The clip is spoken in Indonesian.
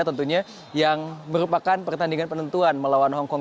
tentunya yang merupakan pertandingan penentuan melawan hongkong